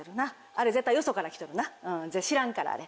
あれ絶対よそから来とるな知らんからあれ。